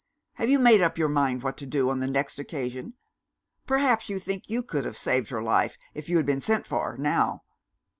Have you made up your mind what to do, on the next occasion? Perhaps you think you could have saved her life if you had been sent for, now?"